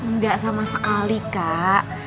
nggak sama sekali kak